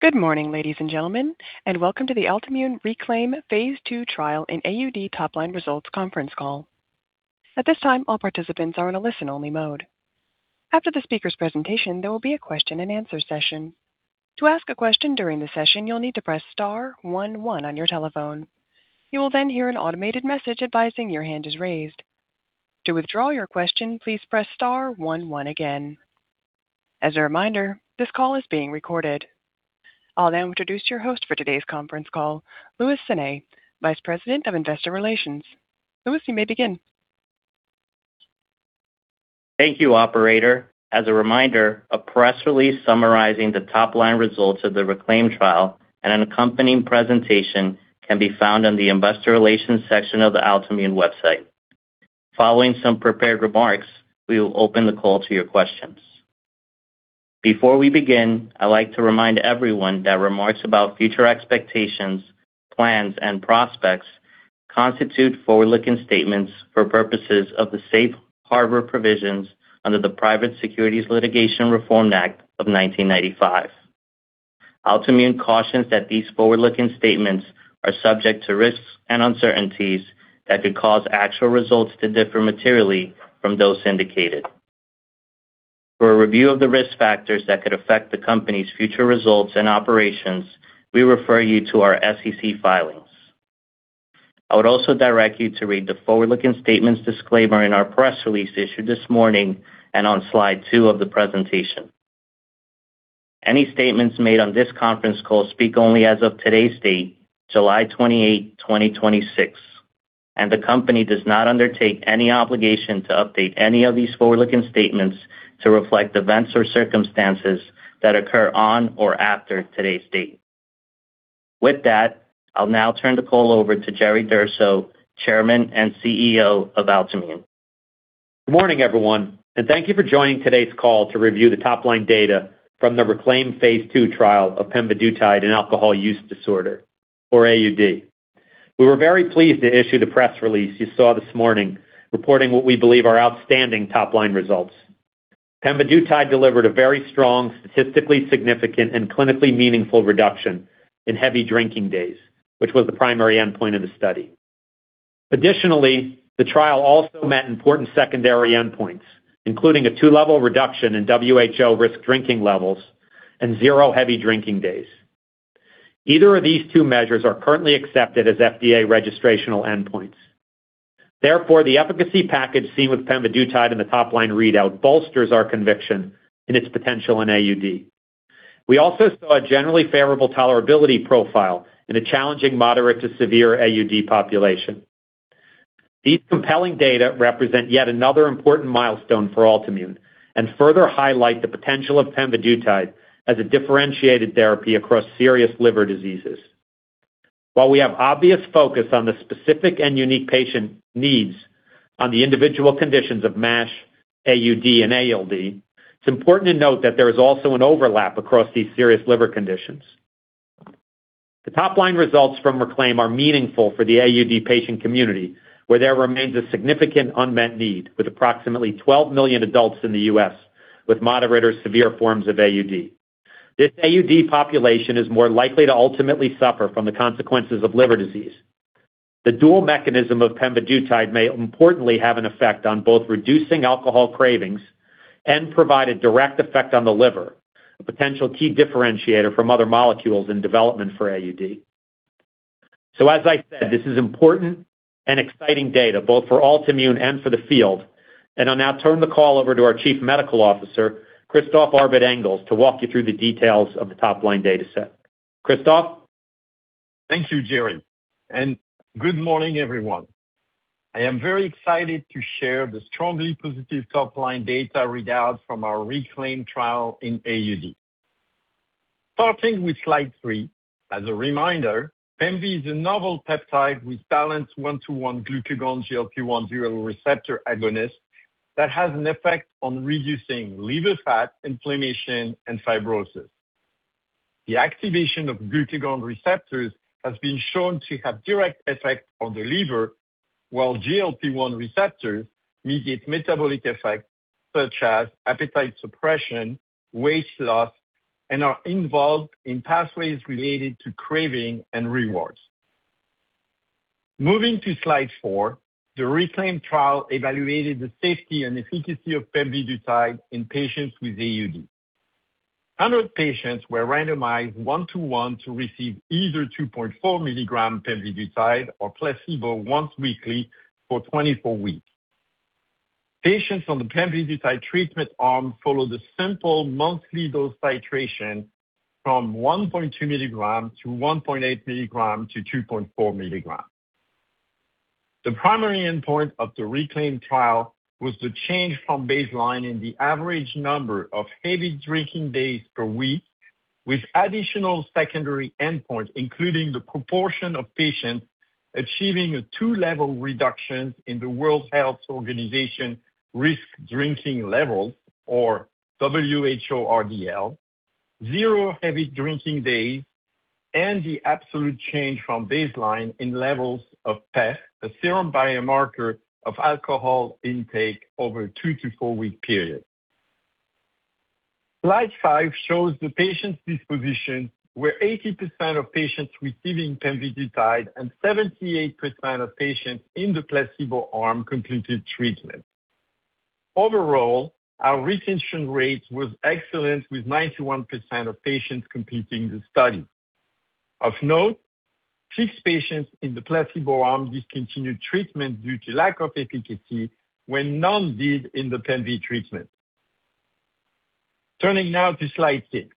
Good morning, ladies and gentlemen, and welcome to the Altimmune RECLAIM phase II Trial in AUD Top-Line Results Conference Call. At this time, all participants are in a listen-only mode. After the speaker's presentation, there will be a question-and-answer session. To ask a question during the session, you'll need to press star one one on your telephone. You will then hear an automated message advising your hand is raised. To withdraw your question, please press star one one again. As a reminder, this call is being recorded. I'll now introduce your host for today's conference call, Luis Sanay, Vice President of Investor Relations. Luis, you may begin. Thank you, operator. As a reminder, a press release summarizing the top-line results of the RECLAIM trial and an accompanying presentation can be found on the investor relations section of the Altimmune website. Following some prepared remarks, we will open the call to your questions. Before we begin, I'd like to remind everyone that remarks about future expectations, plans, and prospects constitute forward-looking statements for purposes of the safe harbor provisions under the Private Securities Litigation Reform Act of 1995. Altimmune cautions that these forward-looking statements are subject to risks and uncertainties that could cause actual results to differ materially from those indicated. For a review of the risk factors that could affect the company's future results and operations, we refer you to our SEC filings. I would also direct you to read the forward-looking statements disclaimer in our press release issued this morning and on slide two of the presentation. Any statements made on this conference call speak only as of today's date, July 28, 2026, and the company does not undertake any obligation to update any of these forward-looking statements to reflect events or circumstances that occur on or after today's date. With that, I'll now turn the call over to Jerry Durso, Chairman and CEO of Altimmune. Good morning, everyone, and thank you for joining today's call to review the top-line data from the RECLAIM phase II trial of pemvidutide and alcohol use disorder, or AUD. We were very pleased to issue the press release you saw this morning reporting what we believe are outstanding top-line results. Pemvidutide delivered a very strong, statistically significant, and clinically meaningful reduction in heavy drinking days, which was the primary endpoint of the study. Additionally, the trial also met important secondary endpoints, including a two-level reduction in WHO Risk Drinking Levels and zero heavy drinking days. Either of these two measures are currently accepted as FDA registrational endpoints. Therefore, the efficacy package seen with pemvidutide in the top-line readout bolsters our conviction in its potential in AUD. We also saw a generally favorable tolerability profile in a challenging moderate to severe AUD population. These compelling data represent yet another important milestone for Altimmune and further highlight the potential of pemvidutide as a differentiated therapy across serious liver diseases. While we have obvious focus on the specific and unique patient needs on the individual conditions of MASH, AUD, and ALD, it is important to note that there is also an overlap across these serious liver conditions. The top-line results from RECLAIM are meaningful for the AUD patient community, where there remains a significant unmet need, with approximately 12 million adults in the U.S. with moderate or severe forms of AUD. This AUD population is more likely to ultimately suffer from the consequences of liver disease. The dual mechanism of pemvidutide may importantly have an effect on both reducing alcohol cravings and provide a direct effect on the liver, a potential key differentiator from other molecules in development for AUD. As I said, this is important and exciting data both for Altimmune and for the field. I will now turn the call over to our Chief Medical Officer, Christophe Arbet-Engels, to walk you through the details of the top-line data set. Christophe? Thank you, Jerry, and good morning, everyone. I am very excited to share the strongly positive top-line data readouts from our RECLAIM trial in AUD. Starting with slide three, as a reminder, Pemvi is a novel peptide with balanced one-to-one glucagon GLP-1 dual receptor agonist that has an effect on reducing liver fat, inflammation, and fibrosis. The activation of glucagon receptors has been shown to have direct effect on the liver, while GLP-1 receptors mediate metabolic effects such as appetite suppression, weight loss, and are involved in pathways related to craving and rewards. Moving to slide four, the RECLAIM trial evaluated the safety and efficacy of pemvidutide in patients with AUD. 100 patients were randomized one-to-one to receive either 2.4 mg pemvidutide or placebo once weekly for 24 weeks. Patients on the pemvidutide treatment arm followed a simple monthly dose titration from 1.2 mg to 1.8 mg to 2.4 mg. The primary endpoint of the RECLAIM trial was the change from baseline in the average number of heavy drinking days per week with additional secondary endpoint, including the proportion of patients achieving a 2-level reduction in the World Health Organization Risk Drinking Levels, or WHO-RDL, zero heavy drinking days and the absolute change from baseline in levels of PEth, the serum biomarker of alcohol intake over a two- to four-week period. Slide five shows the patient's disposition, where 80% of patients receiving pemvidutide and 78% of patients in the placebo arm completed treatment. Overall, our retention rate was excellent, with 91% of patients completing the study. Of note, six patients in the placebo arm discontinued treatment due to lack of efficacy, when none did in the Pemvi treatment. Turning now to slide six.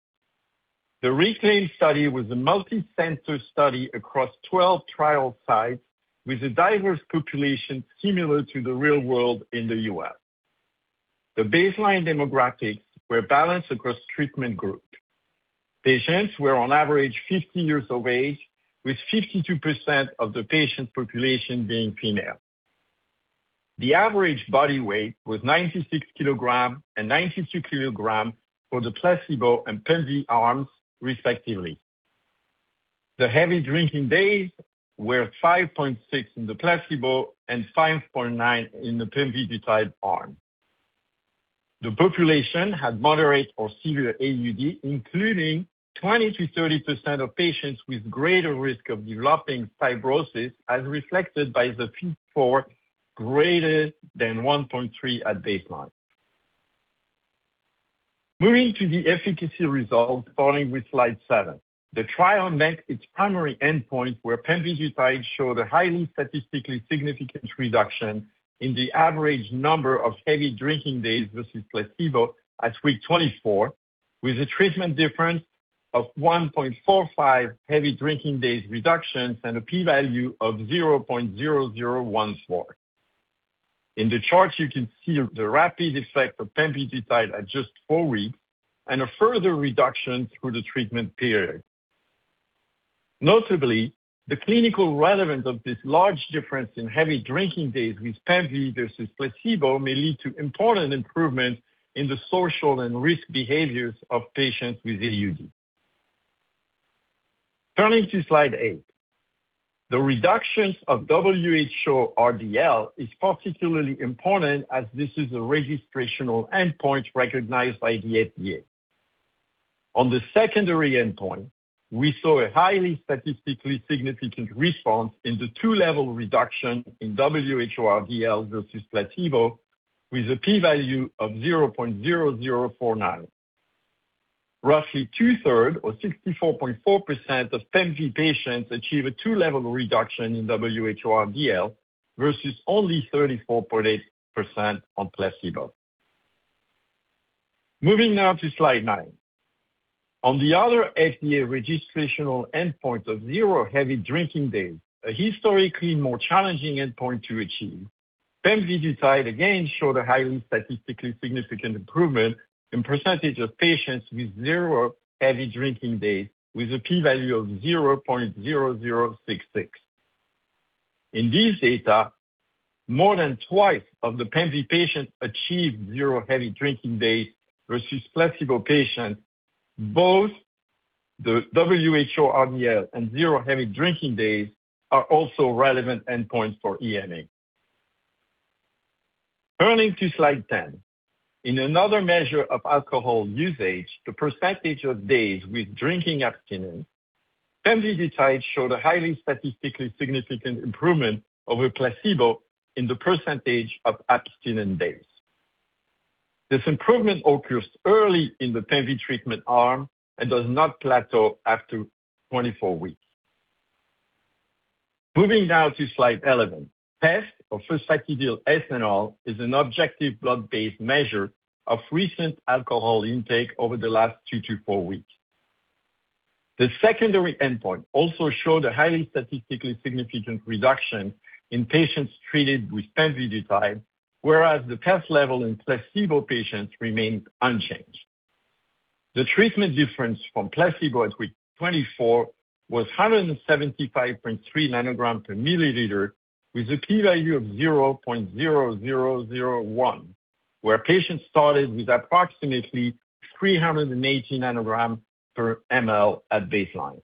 The RECLAIM study was a multi-center study across 12 trial sites with a diverse population similar to the real world in the U.S. The baseline demographics were balanced across treatment group. Patients were on average 50 years of age, with 52% of the patient population being female. The average body weight was 96 kg and 92 kg for the placebo and Pemvi arms, respectively. The heavy drinking days were 5.6 in the placebo and 5.9 in the pemvidutide arm. The population had moderate or severe AUD, including 20%-30% of patients with greater risk of developing cirrhosis, as reflected by the FIB-4 greater than 1.3 at baseline. Moving to the efficacy results, starting with slide seven. The trial met its primary endpoint, where pemvidutide showed a highly statistically significant reduction in the average number of heavy drinking days versus placebo at week 24, with a treatment difference of 1.45 heavy drinking days reductions, and a P-value of 0.0014. In the chart, you can see the rapid effect of pemvidutide at just four weeks and a further reduction through the treatment period. Notably, the clinical relevance of this large difference in heavy drinking days with Pemvi versus placebo may lead to important improvements in the social and risk behaviors of patients with AUD. Turning to slide eight. The reductions of WHO-RDL is particularly important, as this is a registrational endpoint recognized by the FDA. On the secondary endpoint, we saw a highly statistically significant response in the 2-level reduction in WHO-RDL versus placebo with a P-value of 0.0049. Roughly 2/3 or 64.4% of Pemvi patients achieve a 2-level reduction in WHO-RDL versus only 34.8% on placebo. Moving now to slide nine. On the other FDA registrational endpoint of zero heavy drinking days, a historically more challenging endpoint to achieve, pemvidutide again showed a highly statistically significant improvement in percentage of patients with zero heavy drinking days, with a P-value of 0.0066. In this data, more than twice of the Pemvi patients achieved zero heavy drinking days versus placebo patients. Both the WHO-RDL and zero heavy drinking days are also relevant endpoints for EMA. Turning to slide 10. In another measure of alcohol usage, the percentage of days with drinking abstinence, pemvidutide showed a highly statistically significant improvement over placebo in the percentage of abstinent days. This improvement occurs early in the Pemvi treatment arm and does not plateau after 24 weeks. Moving now to slide 11. PEth, or phosphatidylethanol, is an objective blood-based measure of recent alcohol intake over the last two to four weeks. The secondary endpoint also showed a highly statistically significant reduction in patients treated with pemvidutide, whereas the PEth level in placebo patients remained unchanged. The treatment difference from placebo at week 24 was 175.3 nanograms per milliliter with a P-value of 0.0001, where patients started with approximately 380 nanograms per mL at baseline.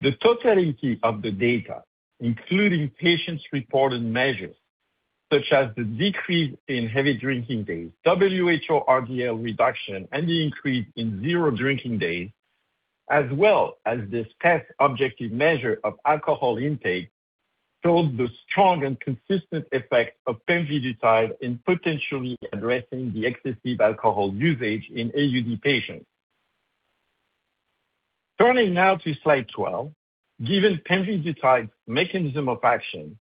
The totality of the data, including patients' reported measures such as the decrease in heavy drinking days, WHO-RDL reduction, and the increase in zero drinking days, as well as this PEth objective measure of alcohol intake, showed the strong and consistent effect of pemvidutide in potentially addressing the excessive alcohol usage in AUD patients. Turning now to slide 12. Given pemvidutide's mechanism of action,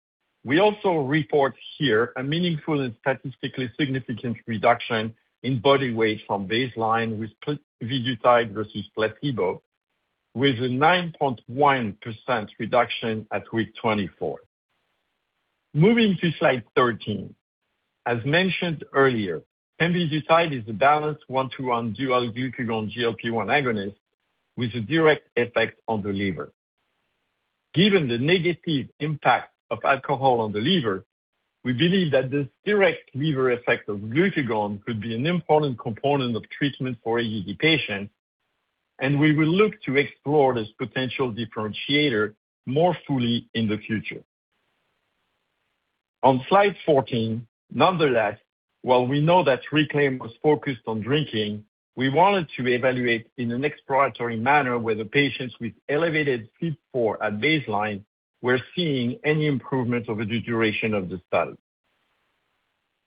we also report here a meaningful and statistically significant reduction in body weight from baseline with vidutide versus placebo, with a 9.1% reduction at week 24. Moving to slide 13. As mentioned earlier, pemvidutide is a balanced one-to-one dual glucagon GLP-1 agonist with a direct effect on the liver. Given the negative impact of alcohol on the liver, we believe that this direct liver effect of glucagon could be an important component of treatment for AUD patients, and we will look to explore this potential differentiator more fully in the future. On slide 14, nonetheless, while we know that RECLAIM was focused on drinking, we wanted to evaluate in an exploratory manner whether patients with elevated FIB-4 at baseline were seeing any improvement over the duration of the study.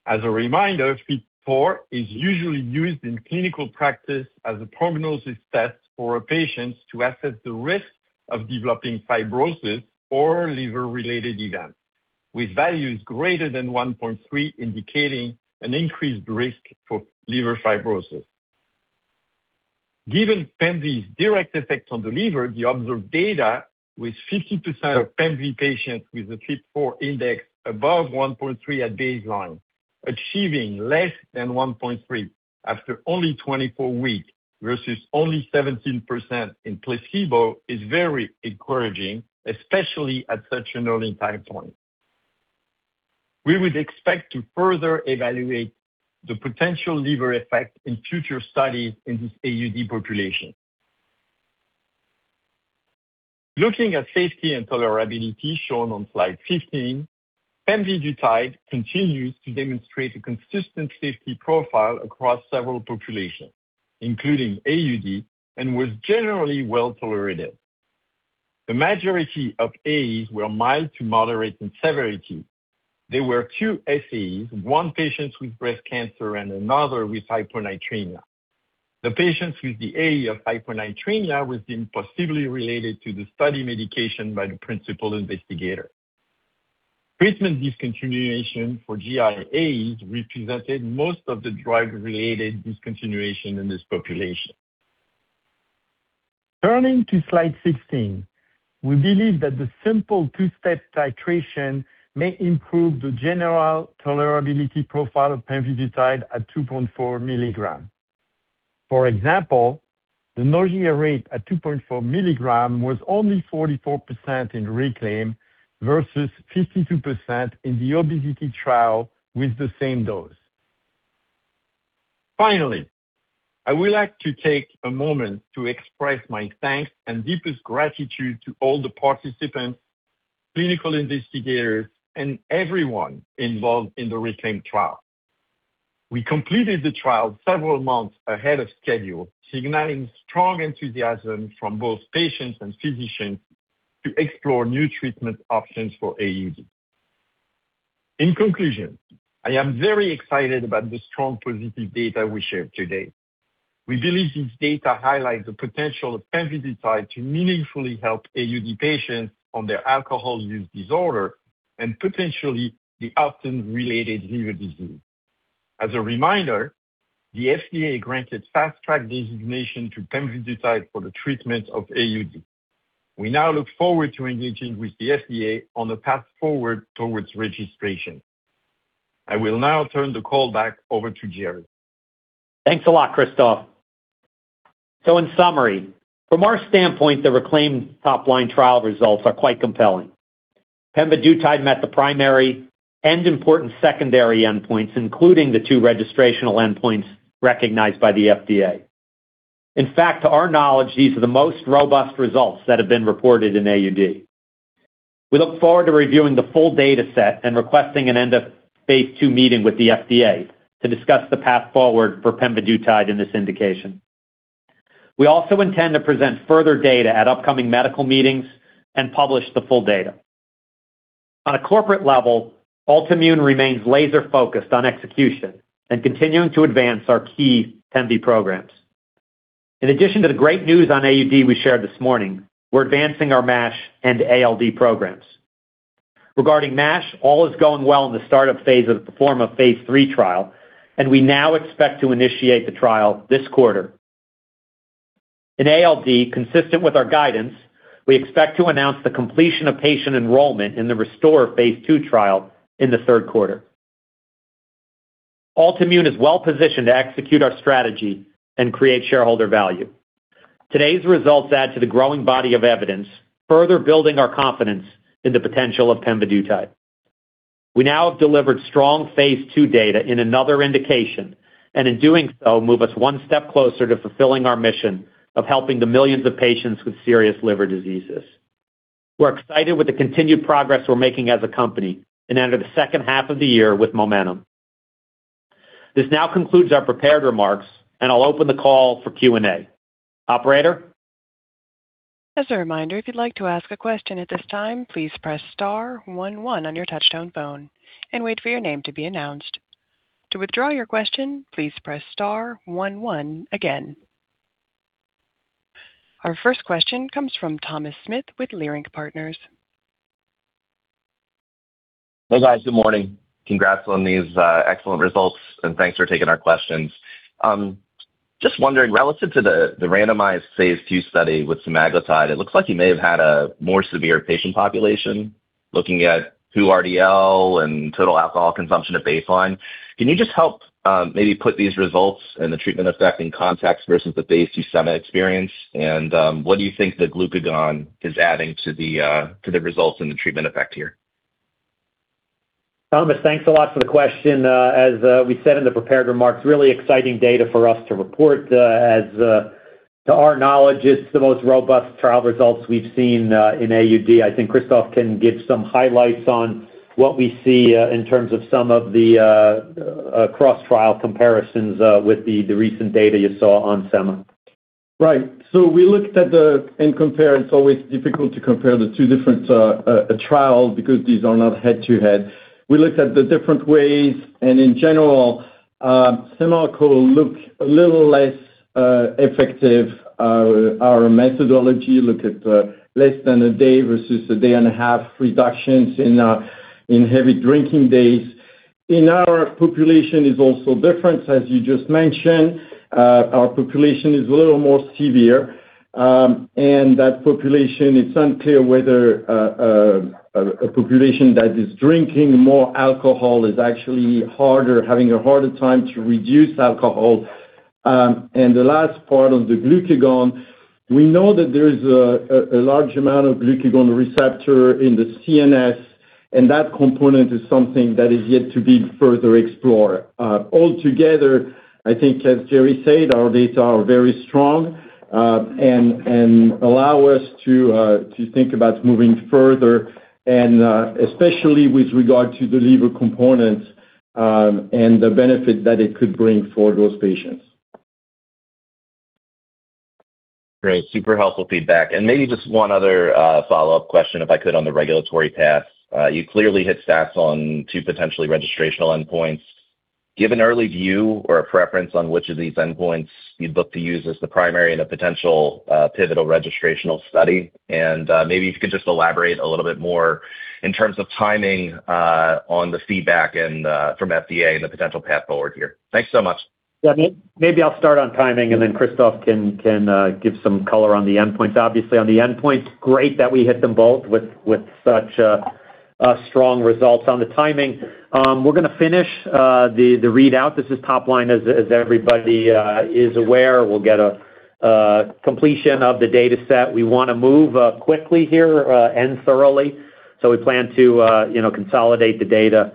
As a reminder, FIB-4 is usually used in clinical practice as a prognosis test for patients to assess the risk of developing fibrosis or liver-related events, with values greater than 1.3 indicating an increased risk for liver fibrosis. Given pemvi's direct effect on the liver, the observed data with 50% of pemvi patients with a FIB-4 index above 1.3 at baseline achieving less than 1.3 after only 24 weeks, versus only 17% in placebo, is very encouraging, especially at such an early time point. We would expect to further evaluate the potential liver effect in future studies in this AUD population. Looking at safety and tolerability shown on Slide 15, pemvidutide continues to demonstrate a consistent safety profile across several populations, including AUD, and was generally well-tolerated. The majority of AEs were mild to moderate in severity. There were two SAEs, one patient with breast cancer and another with hyponatremia. The patient with the AE of hyponatremia was deemed possibly related to the study medication by the principal investigator. Treatment discontinuation for GI AEs represented most of the drug-related discontinuation in this population. Turning to Slide 16, we believe that the simple two-step titration may improve the general tolerability profile of pemvidutide at 2.4 mg. For example, the nausea rate at 2.4 mg was only 44% in RECLAIM versus 52% in the obesity trial with the same dose. Finally, I would like to take a moment to express my thanks and deepest gratitude to all the participants, clinical investigators, and everyone involved in the RECLAIM trial. We completed the trial several months ahead of schedule, signaling strong enthusiasm from both patients and physicians to explore new treatment options for AUD. In conclusion, I am very excited about the strong positive data we shared today. We believe these data highlight the potential of pemvidutide to meaningfully help AUD patients on their alcohol use disorder, and potentially the often related liver disease. As a reminder, the FDA granted Fast Track designation to pemvidutide for the treatment of AUD. We now look forward to engaging with the FDA on the path forward towards registration. I will now turn the call back over to Jerry. Thanks a lot, Christophe. In summary, from our standpoint, the RECLAIM top line trial results are quite compelling. Pemvidutide met the primary and important secondary endpoints, including the two registrational endpoints recognized by the FDA. In fact, to our knowledge, these are the most robust results that have been reported in AUD. We look forward to reviewing the full data set and requesting an end of phase II meeting with the FDA to discuss the path forward for pemvidutide in this indication. We also intend to present further data at upcoming medical meetings and publish the full data. On a corporate level, Altimmune remains laser focused on execution and continuing to advance our key Pemvi programs. In addition to the great news on AUD we shared this morning, we're advancing our MASH and ALD programs. Regarding MASH, all is going well in the startup phase of the PERFORMA phase III trial, and we now expect to initiate the trial this quarter. In ALD, consistent with our guidance, we expect to announce the completion of patient enrollment in the RESTORE phase II trial in the third quarter. Altimmune is well positioned to execute our strategy and create shareholder value. Today's results add to the growing body of evidence, further building our confidence in the potential of pemvidutide. We now have delivered strong phase II data in another indication, and in doing so, move us one step closer to fulfilling our mission of helping the millions of patients with serious liver diseases. We're excited with the continued progress we're making as a company and enter the second half of the year with momentum. This now concludes our prepared remarks. I'll open the call for Q&A. Operator? As a reminder, if you'd like to ask a question at this time, please press star one one on your touchtone phone and wait for your name to be announced. To withdraw your question, please press star one one again. Our first question comes from Thomas Smith with Leerink Partners. Hey, guys. Good morning. Congrats on these excellent results. Thanks for taking our questions. Just wondering, relative to the randomized phase II study with semaglutide, it looks like you may have had a more severe patient population looking at WHO Risk Drinking Levels and total alcohol consumption at baseline. Can you just help maybe put these results and the treatment effect in context versus the phase II sema experience? What do you think the glucagon is adding to the results and the treatment effect here? Thomas, thanks a lot for the question. As we said in the prepared remarks, really exciting data for us to report. To our knowledge, it's the most robust trial results we've seen in AUD. I think Christophe can give some highlights on what we see in terms of some of the cross-trial comparisons with the recent data you saw on sema. Right. We looked at the compare. It's always difficult to compare the two different trials because these are not head-to-head. We looked at the different ways, and in general, sema looked a little less effective. Our methodology looked at less than a day versus a day and a half reductions in heavy drinking days. Our population is also different, as you just mentioned. Our population is a little more severe. That population, it's unclear whether a population that is drinking more alcohol is actually having a harder time to reduce alcohol. The last part on the glucagon, we know that there is a large amount of glucagon receptor in the CNS, and that component is something that is yet to be further explored. Altogether, I think as Jerry said, our data are very strong, allow us to think about moving further, especially with regard to the liver components and the benefit that it could bring for those patients. Great. Super helpful feedback. Maybe just one other follow-up question, if I could, on the regulatory path. You clearly hit stats on two potentially registrational endpoints. Do you have an early view or a preference on which of these endpoints you'd look to use as the primary in a potential pivotal registrational study? Maybe if you could just elaborate a little bit more in terms of timing on the feedback from FDA and the potential path forward here. Thanks so much. Yeah. Maybe I'll start on timing, and then Christophe can give some color on the endpoints. Obviously, on the endpoint, great that we hit them both with such strong results. On the timing, we're going to finish the readout. This is top line, as everybody is aware. We'll get a completion of the dataset. We want to move quickly here and thoroughly. We plan to consolidate the data,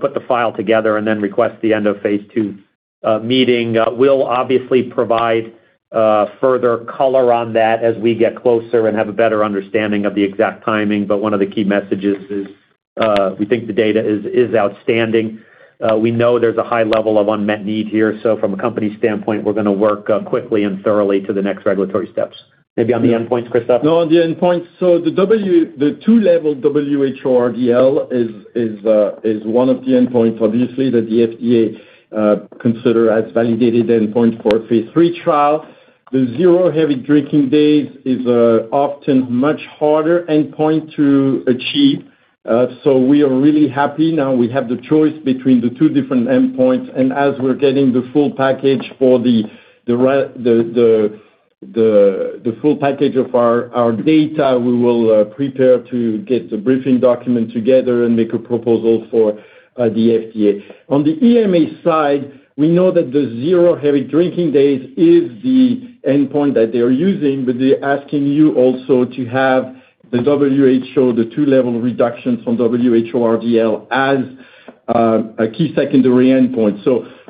put the file together, and then request the end of phase II meeting. We'll obviously provide further color on that as we get closer and have a better understanding of the exact timing. One of the key messages is we think the data is outstanding. We know there's a high level of unmet need here. From a company standpoint, we're going to work quickly and thoroughly to the next regulatory steps. Maybe on the endpoints, Christophe? No, on the endpoints. The 2-level WHO-RDL is one of the endpoints, obviously, that the FDA consider as validated endpoint for a phase III trial. The zero heavy drinking days is often a much harder endpoint to achieve. We are really happy now we have the choice between the two different endpoints. As we're getting the full package of our data, we will prepare to get the briefing document together and make a proposal for the FDA. On the EMA side, we know that the zero heavy drinking days is the endpoint that they're using, they're asking you also to have the WHO, the 2-level reductions from WHO-RDL as a key secondary endpoint.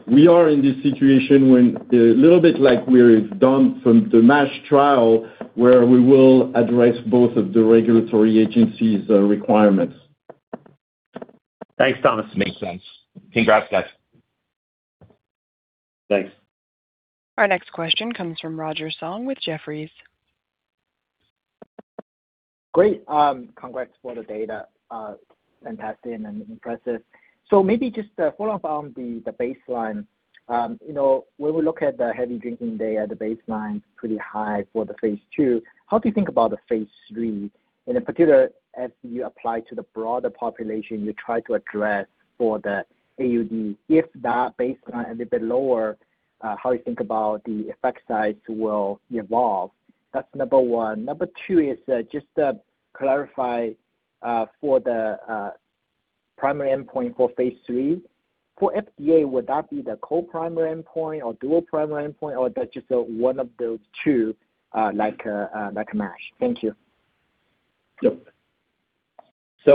We are in this situation a little bit like we're done from the MASH trial, where we will address both of the regulatory agencies' requirements. Thanks, Thomas. Makes sense. Congrats, guys. Thanks. Our next question comes from Roger Song with Jefferies. Great. Congrats for the data. Fantastic and impressive. Maybe just a follow-up on the baseline. When we look at the heavy drinking day at the baseline, it's pretty high for the phase II. How do you think about the phase III? In particular, as you apply to the broader population you try to address for the AUD, if that baseline a little bit lower, how you think about the effect size will evolve? That's number one. Number two is just to clarify for the primary endpoint for phase III. For FDA, would that be the co-primary endpoint or dual primary endpoint, or that's just one of those two, like MASH? Thank you. Yep.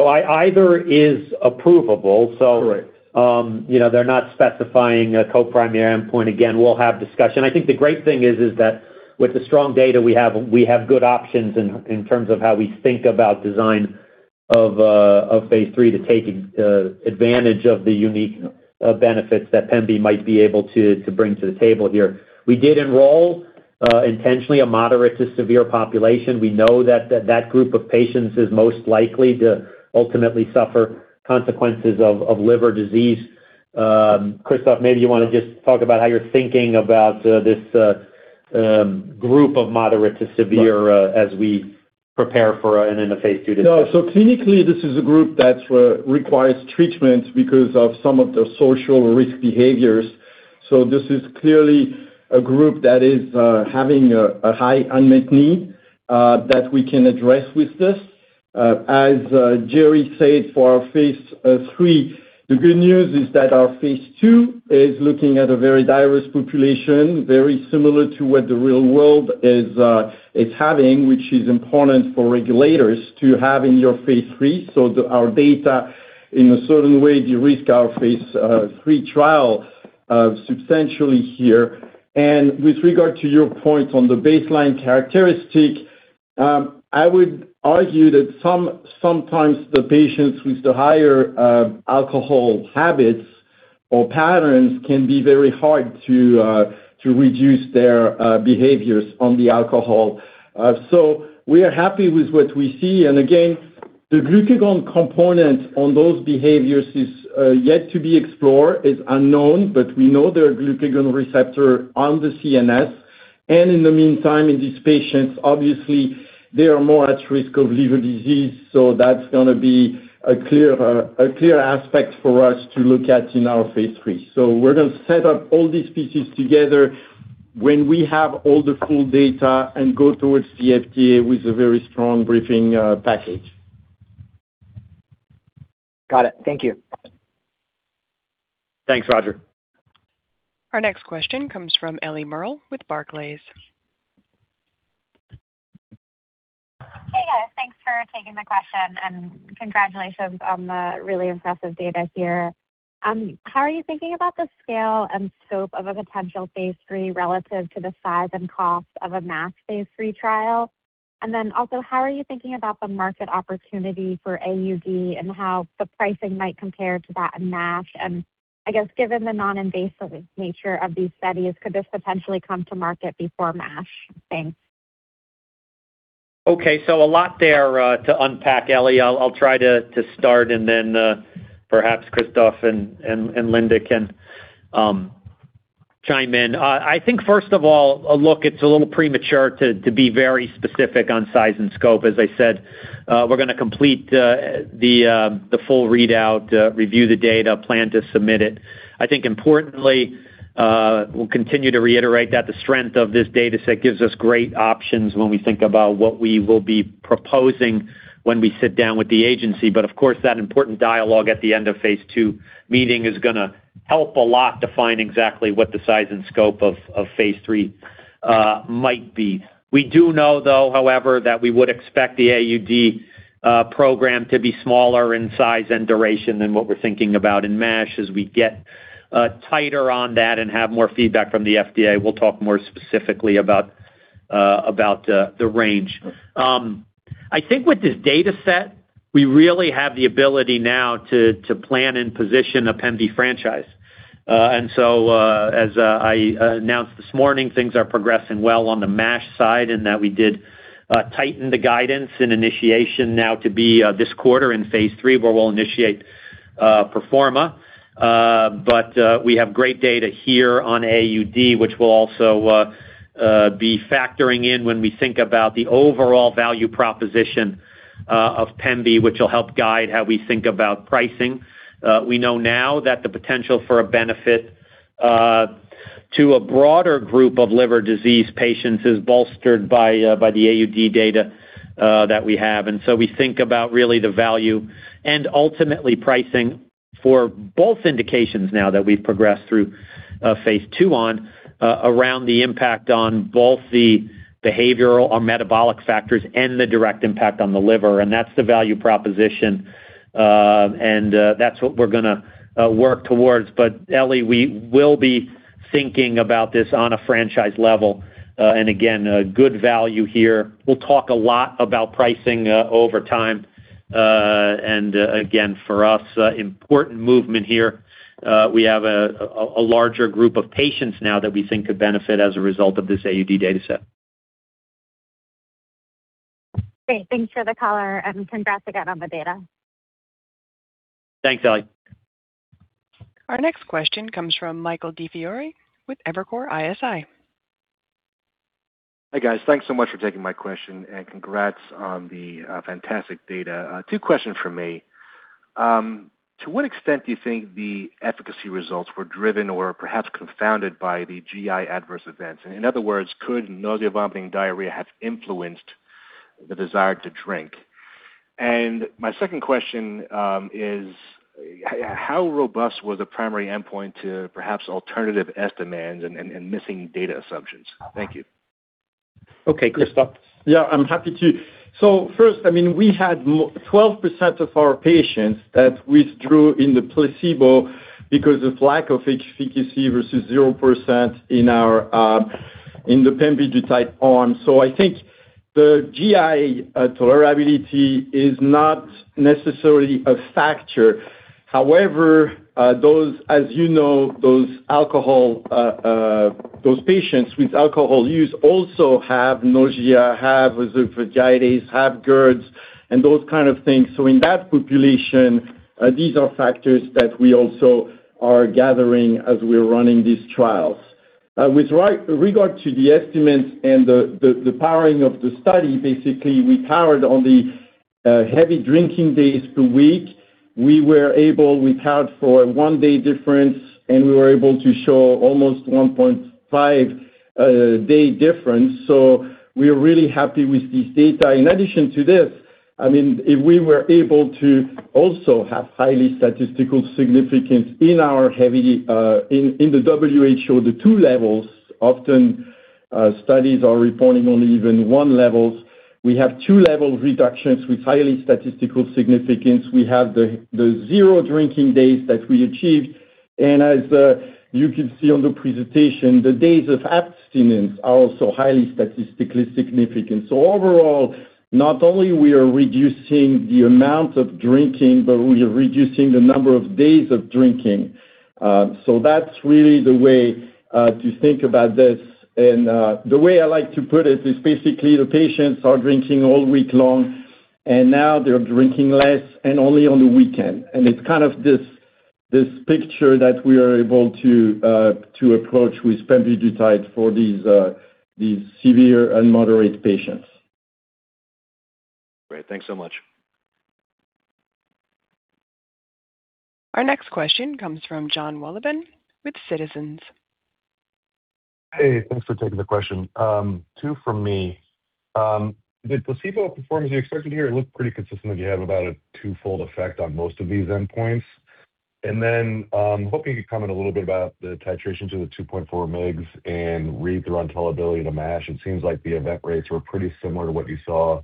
Either is approvable. Correct. They're not specifying a co-primary endpoint. Again, we'll have discussion. I think the great thing is that with the strong data we have, we have good options in terms of how we think about design of phase III to take advantage of the unique benefits that Pemvi might be able to bring to the table here. We did enroll intentionally a moderate to severe population. We know that that group of patients is most likely to ultimately suffer consequences of liver disease. Christophe, maybe you want to just talk about how you're thinking about this group of moderate to severe as we prepare for an end of phase II. No. Clinically, this is a group that requires treatment because of some of the social risk behaviors. This is clearly a group that is having a high unmet need that we can address with this. As Jerry said, for our phase III, the good news is that our phase II is looking at a very diverse population, very similar to what the real world is having, which is important for regulators to have in your phase III. Our data, in a certain way, de-risk our phase III trial substantially here. With regard to your point on the baseline characteristic, I would argue that sometimes the patients with the higher alcohol habits or patterns can be very hard to reduce their behaviors on the alcohol. We are happy with what we see. Again, the glucagon component on those behaviors is yet to be explored, it's unknown, but we know there are glucagon receptor on the CNS. In the meantime, in these patients, obviously, they are more at risk of liver disease, that's going to be a clear aspect for us to look at in our phase III. We're going to set up all these pieces together when we have all the full data and go towards the FDA with a very strong briefing package. Got it. Thank you. Thanks, Roger. Our next question comes from Ellie Merle with Barclays. Thanks for taking the question. Congratulations on the really impressive data here. How are you thinking about the scale and scope of a potential phase III relative to the size and cost of a MASH phase III trial? How are you thinking about the market opportunity for AUD and how the pricing might compare to that in MASH? Given the non-invasive nature of these studies, could this potentially come to market before MASH? Thanks. A lot there to unpack, Ellie. I'll try to start and then perhaps Christophe and Linda can chime in. It's a little premature to be very specific on size and scope. As I said, we're going to complete the full readout, review the data, plan to submit it. Importantly, we'll continue to reiterate that the strength of this data set gives us great options when we think about what we will be proposing when we sit down with the agency. Of course, that important dialogue at the end of phase II meeting is going to help a lot define exactly what the size and scope of phase III might be. We do know, though, however, that we would expect the AUD program to be smaller in size and duration than what we're thinking about in MASH. As we get tighter on that and have more feedback from the FDA, we'll talk more specifically about the range. With this data set, we really have the ability now to plan and position a Pemvi franchise. As I announced this morning, things are progressing well on the MASH side and that we did tighten the guidance and initiation now to be this quarter in phase III, where we'll initiate PERFORMA. We have great data here on AUD, which we'll also be factoring in when we think about the overall value proposition of Pemvi, which will help guide how we think about pricing. We know now that the potential for a benefit to a broader group of liver disease patients is bolstered by the AUD data that we have. We think about really the value and ultimately pricing for both indications now that we've progressed through phase II on around the impact on both the behavioral or metabolic factors and the direct impact on the liver, that's the value proposition. That's what we're going to work towards. Ellie, we will be thinking about this on a franchise level. Again, a good value here. We'll talk a lot about pricing over time. Again, for us, important movement here. We have a larger group of patients now that we think could benefit as a result of this AUD data set. Great. Thanks for the color, congrats again on the data. Thanks, Ellie. Our next question comes from Michael DiFiore with Evercore ISI. Hi, guys. Thanks so much for taking my question, and congrats on the fantastic data. Two questions from me. To what extent do you think the efficacy results were driven or perhaps confounded by the GI adverse events? In other words, could nausea, vomiting, diarrhea have influenced the desire to drink? My second question is how robust was the primary endpoint to perhaps alternative S demands and missing data assumptions? Thank you. Okay, Christophe? Yeah, I'm happy to. First, we had 12% of our patients that withdrew in the placebo because of lack of efficacy versus 0% in the pemvidutide arm. I think the GI tolerability is not necessarily a factor. However, as you know, those patients with alcohol use also have nausea, have esophagitis, have GERD, and those kind of things. In that population, these are factors that we also are gathering as we're running these trials. With regard to the estimates and the powering of the study, basically, we powered on the heavy drinking days per week. We powered for a one day difference, and we were able to show almost a 1.5-day difference. We are really happy with this data. In addition to this, if we were able to also have highly statistical significance in the WHO, the 2-levels. Often studies are reporting only even 1 level. We have 2-level of reductions with highly statistical significance. We have the zero drinking days that we achieved. As you can see on the presentation, the days of abstinence are also highly statistically significant. Overall, not only we are reducing the amount of drinking, but we are reducing the number of days of drinking. That's really the way to think about this. The way I like to put it is basically the patients are drinking all week long, and now they're drinking less and only on the weekend. It's kind of this picture that we are able to approach with pemvidutide for these severe and moderate patients. Great. Thanks so much. Our next question comes from Jon Wolleben with Citizens. Hey, thanks for taking the question. Two from me. Did placebo perform as you expected here? It looked pretty consistent, you have about a twofold effect on most of these endpoints. I'm hoping you could comment a little bit about the titration to the 2.4 mg and read-through on tolerability to MASH. It seems like the event rates were pretty similar to what you saw,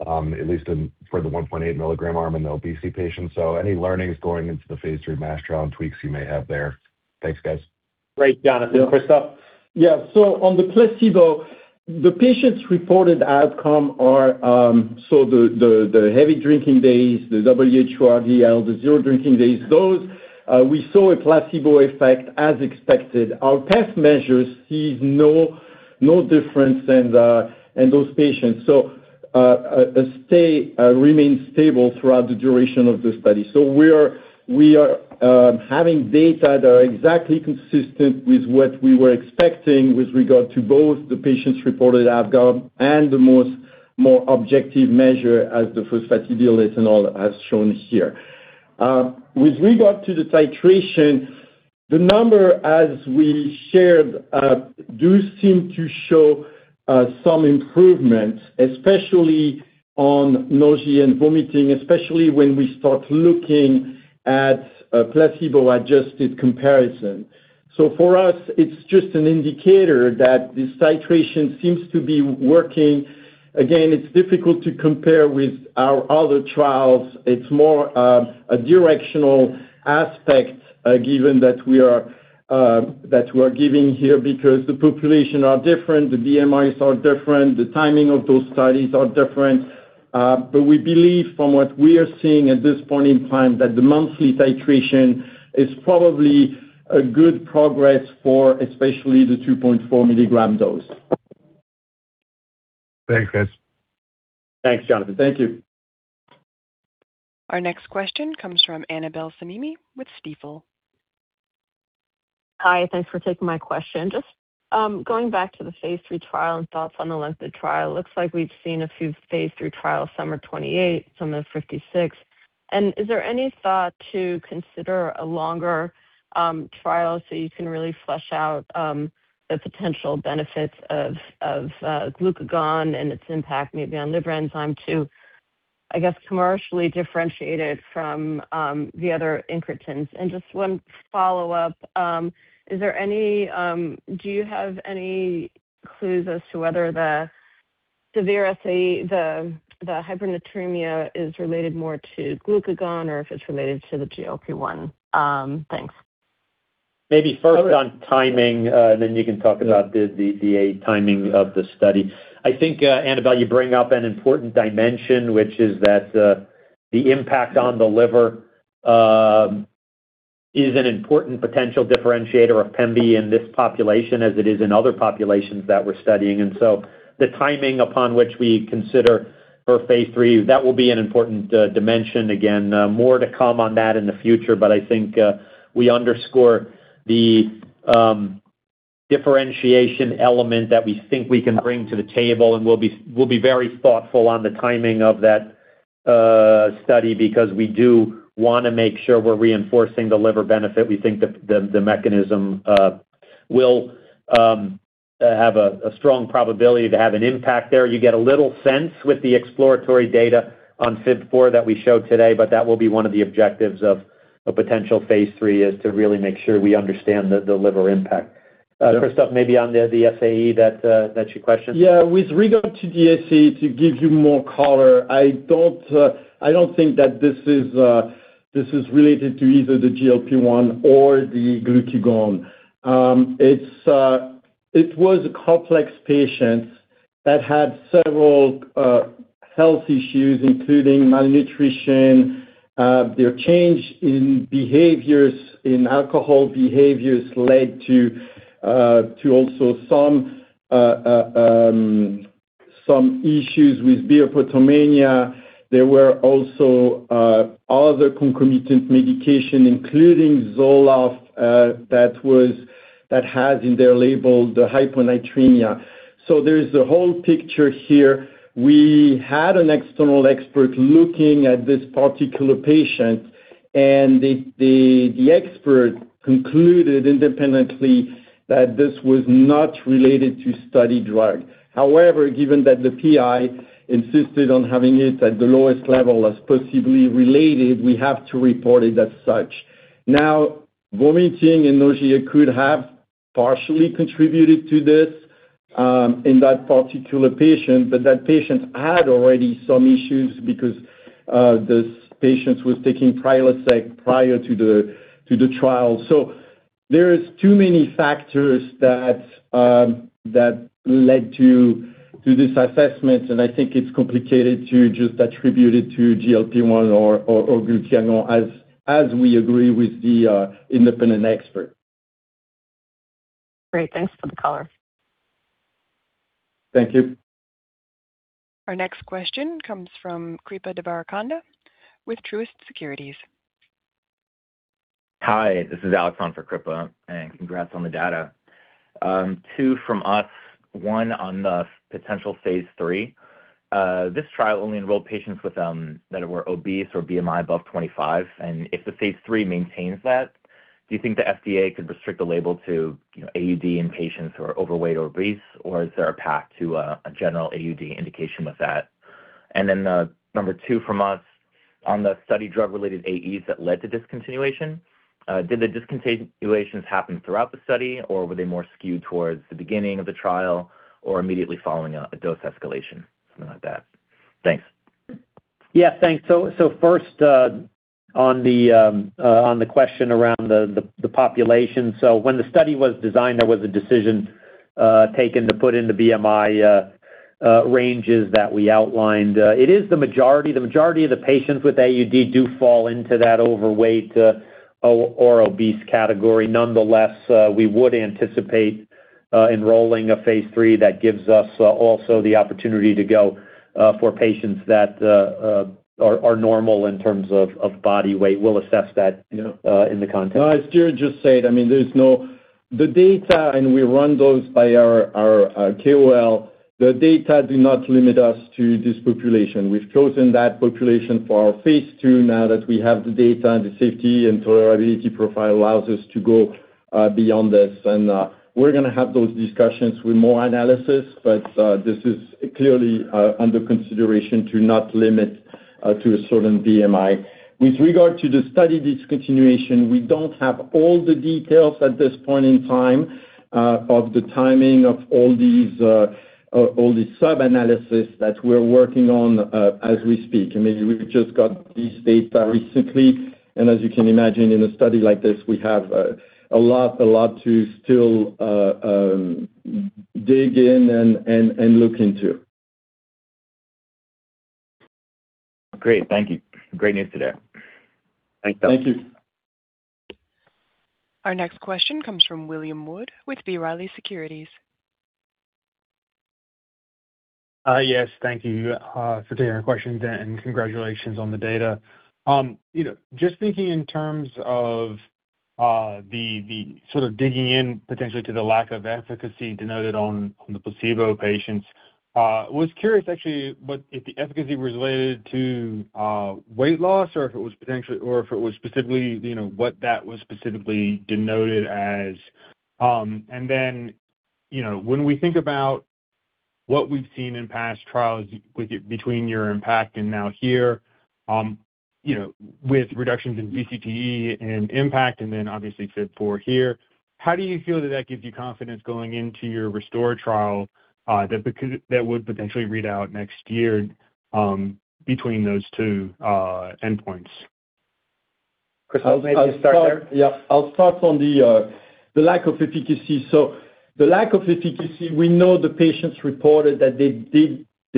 at least for the 1.8 mg arm in the obesity patients. Any learnings going into the phase III MASH trial and tweaks you may have there? Thanks, guys. Great, Jon. Christophe? Yeah. On the placebo, the patients' reported outcome are the heavy drinking days, the WHO-RDL, the zero drinking days. Those we saw a placebo effect as expected. Our test measures sees no difference in those patients. Remain stable throughout the duration of the study. We are having data that are exactly consistent with what we were expecting with regard to both the patients' reported outcome and the more objective measure as the phosphatidylethanol as shown here. With regard to the titration, the number, as we shared, do seem to show some improvement, especially on nausea and vomiting, especially when we start looking at a placebo-adjusted comparison. For us, it's just an indicator that this titration seems to be working. Again, it's difficult to compare with our other trials. It's more a directional aspect given that we are giving here because the population are different, the BMIs are different, the timing of those studies are different. We believe from what we are seeing at this point in time, that the monthly titration is probably a good progress for especially the 2.4-mg dose. Thanks, guys. Thanks, Jon. Thank you. Our next question comes from Annabel Samimy with Stifel. Hi, thanks for taking my question. Just going back to the phase III trial and thoughts on the length of trial. Looks like we've seen a few phase III trials, some are 28, some are 56. Is there any thought to consider a longer trial so you can really flesh out the potential benefits of glucagon and its impact maybe on liver enzyme to, I guess, commercially differentiate it from the other incretins? Just one follow-up. Do you have any clues as to whether the hyponatremia is related more to glucagon or if it's related to the GLP-1? Thanks. Maybe first on timing, then you can talk about the timing of the study. I think, Annabel, you bring up an important dimension, which is that the impact on the liver is an important potential differentiator of Pemvi in this population as it is in other populations that we're studying. The timing upon which we consider for phase III, that will be an important dimension. Again, more to come on that in the future. I think we underscore the differentiation element that we think we can bring to the table, and we'll be very thoughtful on the timing of that study because we do want to make sure we're reinforcing the liver benefit. We think the mechanism will have a strong probability to have an impact there. You get a little sense with the exploratory data on FIB-4 that we showed today, that will be one of the objectives of a potential phase III is to really make sure we understand the liver impact. Christophe, maybe on the SAE that you questioned. Yeah. With regard to the SAE, to give you more color, I don't think that this is related to either the GLP-1 or the glucagon. It was a complex patient that had several health issues, including malnutrition. Their change in alcohol behaviors led to also some issues with beer potomania. There were also other concomitant medication, including ZOLOFT, that has in their label the hyponatremia. There's a whole picture here. We had an external expert looking at this particular patient, and the expert concluded independently that this was not related to study drug. However, given that the PI insisted on having it at the lowest level as possibly related, we have to report it as such. Now, vomiting and nausea could have partially contributed to this in that particular patient, but that patient had already some issues because this patient was taking Prilosec prior to the trial. There is too many factors that led to this assessment, and I think it's complicated to just attribute it to GLP-1 or glucagon, as we agree with the independent expert. Great. Thanks for the color. Thank you. Our next question comes from Srikripa Devarakonda with Truist Securities. Hi, this is Alex on for Kripa, congrats on the data. Two from us, one on the potential phase III. This trial only enrolled patients that were obese or BMI above 25. If the phase III maintains that, do you think the FDA could restrict the label to AUD in patients who are overweight or obese, or is there a path to a general AUD indication with that? Number two from us, on the study drug-related AEs that led to discontinuation, did the discontinuations happen throughout the study, or were they more skewed towards the beginning of the trial or immediately following a dose escalation, something like that? Thanks. Yeah, thanks. First, on the question around the population. When the study was designed, there was a decision taken to put in the BMI ranges that we outlined. It is the majority. The majority of the patients with AUD do fall into that overweight or obese category. Nonetheless, we would anticipate enrolling a phase III that gives us also the opportunity to go for patients that are normal in terms of body weight. We'll assess that in the context. As Stuart just said, the data, we run those by our KOL, the data do not limit us to this population. We've chosen that population for our phase II now that we have the data and the safety and tolerability profile allows us to go beyond this. We're going to have those discussions with more analysis, but this is clearly under consideration to not limit to a certain BMI. With regard to the study discontinuation, we don't have all the details at this point in time of the timing of all these sub-analysis that we're working on as we speak. We just got this data recently, as you can imagine, in a study like this, we have a lot to still dig in and look into. Great. Thank you. Great news today. Thanks, Alex. Thank you. Our next question comes from William Wood with B. Riley Securities. Yes. Thank you for taking our questions and congratulations on the data. Just thinking in terms of the sort of digging in potentially to the lack of efficacy denoted on the placebo patients. Was curious actually, if the efficacy was related to weight loss or if it was specifically what that was specifically denoted as. When we think about what we've seen in past trials between your impact and now here, with reductions in VCTE and impact, and then obviously FIB-4 here, how do you feel that that gives you confidence going into your RESTORE trial that would potentially read out next year between those two endpoints? Chris, maybe I'll let you start there. Yeah, I'll start on the lack of efficacy. The lack of efficacy, we know the patients reported that they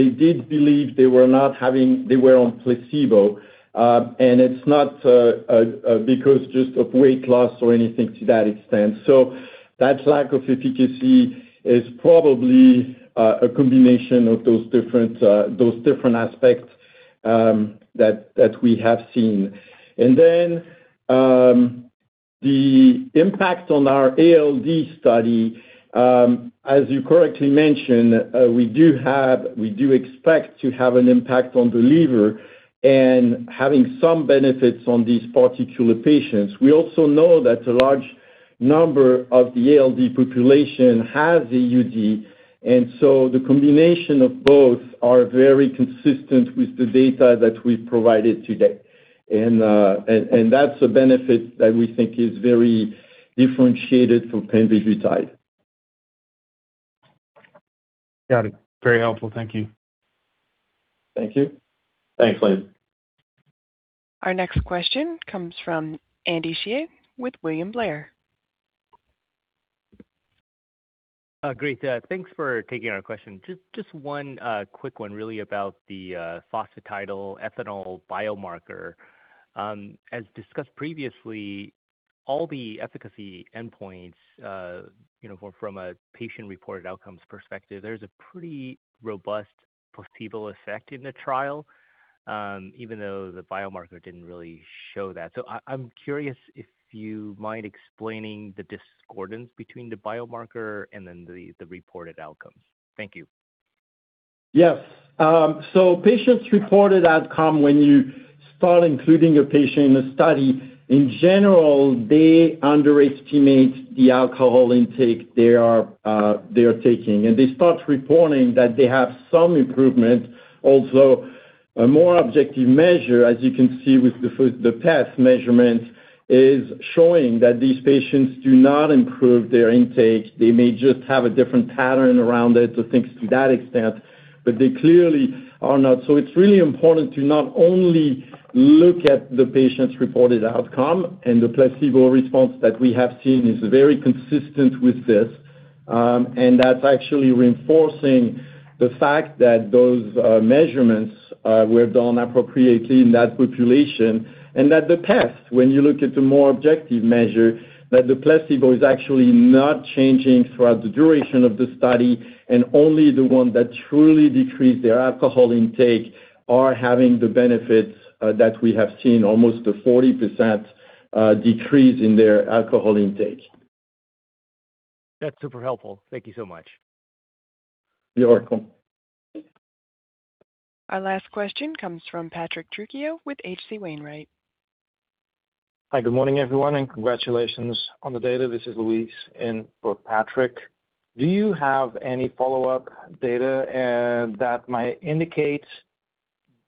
did believe they were on placebo. It's not because just of weight loss or anything to that extent. That lack of efficacy is probably a combination of those different aspects that we have seen. The impact on our ALD study, as you correctly mentioned, we do expect to have an impact on the liver and having some benefits on these particular patients. We also know that a large number of the ALD population has AUD, the combination of both are very consistent with the data that we've provided today. That's a benefit that we think is very differentiated from pemvidutide. Got it. Very helpful. Thank you. Thank you. Thanks, William. Our next question comes from Andy Hsieh with William Blair. Great. Thanks for taking our question. Just one quick one really about the phosphatidylethanol biomarker. As discussed previously. All the efficacy endpoints, from a patient-reported outcomes perspective, there's a pretty robust placebo effect in the trial, even though the biomarker didn't really show that. I'm curious if you mind explaining the discordance between the biomarker and then the reported outcomes. Thank you. Yes. Patients' reported outcome, when you start including a patient in a study, in general, they underestimate the alcohol intake they are taking, and they start reporting that they have some improvement. A more objective measure, as you can see with the test measurements, is showing that these patients do not improve their intake. They may just have a different pattern around it or things to that extent, but they clearly are not. It's really important to not only look at the patient's reported outcome and the placebo response that we have seen is very consistent with this. That's actually reinforcing the fact that those measurements were done appropriately in that population and that the test, when you look at the more objective measure, that the placebo is actually not changing throughout the duration of the study, and only the one that truly decreased their alcohol intake are having the benefits that we have seen, almost a 40% decrease in their alcohol intake. That's super helpful. Thank you so much. You're welcome. Our last question comes from Patrick Trucchio with H.C. Wainwright. Hi, good morning, everyone, and congratulations on the data. This is Luis in for Patrick. Do you have any follow-up data that might indicate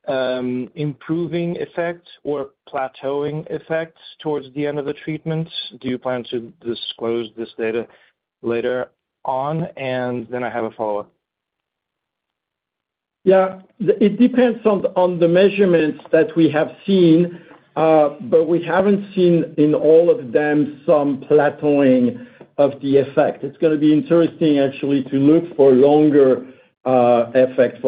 improving effects or plateauing effects towards the end of the treatment? Do you plan to disclose this data later on? I have a follow-up. Yeah. It depends on the measurements that we have seen. We haven't seen in all of them some plateauing of the effect. It's going to be interesting actually to look for longer effects.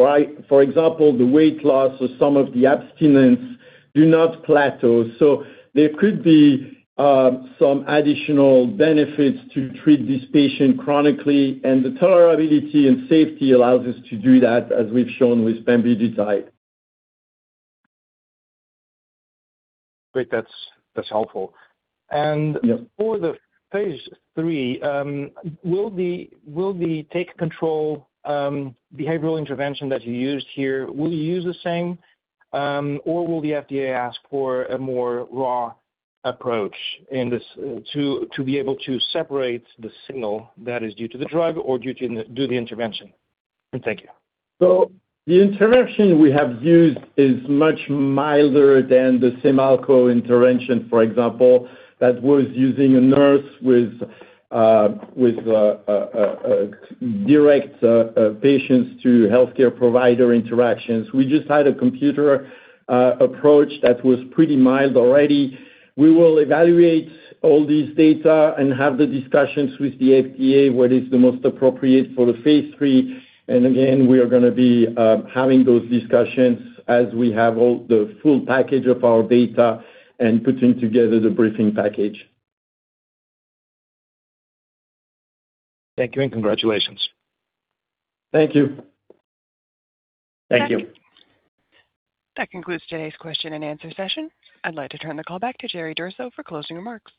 For example, the weight loss or some of the abstinence do not plateau, so there could be some additional benefits to treat this patient chronically, and the tolerability and safety allows us to do that, as we've shown with pemvidutide. Great. That's helpful. Yeah. For the phase III, will the take control behavioral intervention that you used here, will you use the same? Will the FDA ask for a more raw approach to be able to separate the signal that is due to the drug or due to the intervention? Thank you. The intervention we have used is much milder than the Simalco intervention, for example. That was using a nurse with direct patients to healthcare provider interactions. We just had a computer approach that was pretty mild already. We will evaluate all these data and have the discussions with the FDA, what is the most appropriate for the phase III. Again, we are going to be having those discussions as we have all the full package of our data and putting together the briefing package. Thank you, congratulations. Thank you. Thank you. That concludes today's question-and-answer session. I'd like to turn the call back to Jerry Durso for closing remarks.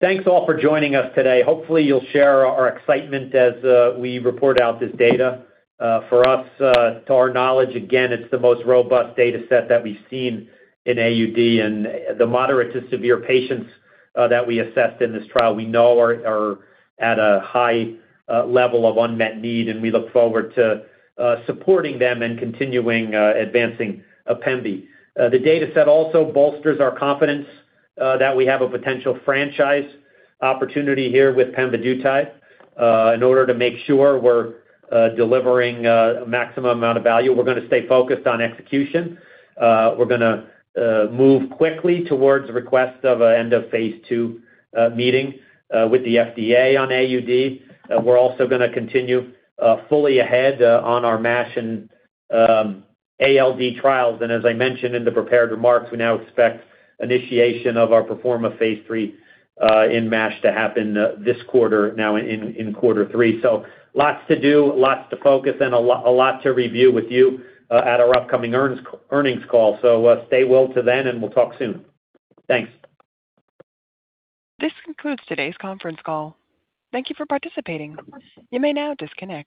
Thanks, all for joining us today. Hopefully, you'll share our excitement as we report out this data. For us, to our knowledge, again, it's the most robust data set that we've seen in AUD and the moderate to severe patients that we assessed in this trial we know are at a high level of unmet need, and we look forward to supporting them and continuing advancing pemvidutide. The data set also bolsters our confidence that we have a potential franchise opportunity here with pemvidutide. In order to make sure we're delivering a maximum amount of value, we're going to stay focused on execution. We're going to move quickly towards requests of an end of phase II meeting with the FDA on AUD. We're also going to continue fully ahead on our MASH and ALD trials. As I mentioned in the prepared remarks, we now expect initiation of our PERFORMA phase III in MASH to happen this quarter, now in quarter three. Lots to do, lots to focus, and a lot to review with you at our upcoming earnings call. Stay well till then, and we'll talk soon. Thanks. This concludes today's conference call. Thank you for participating. You may now disconnect.